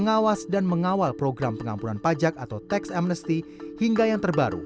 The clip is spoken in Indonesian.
mengawas dan mengawal program pengampunan pajak atau tax amnesty hingga yang terbaru